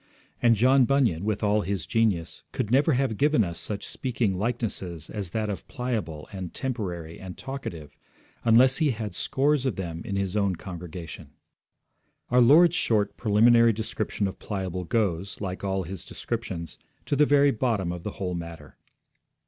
And John Bunyan, with all his genius, could never have given us such speaking likenesses as that of Pliable and Temporary and Talkative, unless he had had scores of them in his own congregation. Our Lord's short preliminary description of Pliable goes, like all His descriptions, to the very bottom of the whole matter.